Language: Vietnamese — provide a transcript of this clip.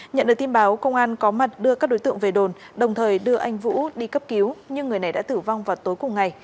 nhận được tin báo công an có mặt đưa các đối tượng về đồn đồng thời đưa anh vũ đi cấp cứu nhưng người này đã tử vong vào tối cùng ngày